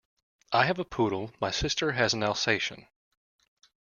I have a poodle, my sister has an Alsatian